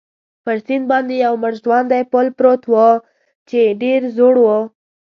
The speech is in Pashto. پر سیند باندې یو مړ ژواندی پل پروت وو، چې ډېر زوړ وو.